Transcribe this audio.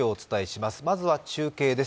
まずは中継です。